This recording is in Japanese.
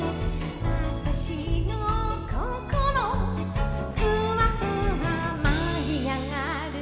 「わたしのココロふわふわ舞い上がる」